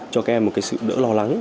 cho các em một cái sự đỡ lo lắng